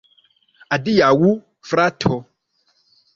Adiaŭ, frato.